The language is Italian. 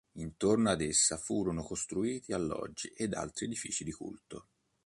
Intorno ad essa furono costruiti alloggi ed altri edifici di culto.